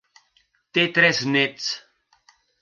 Té tres néts.